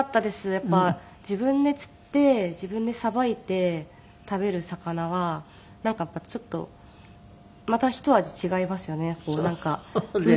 やっぱり自分で釣って自分でさばいて食べる魚はなんかやっぱりちょっとまたひと味違いますよね。